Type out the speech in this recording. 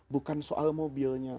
bukan soal mobilnya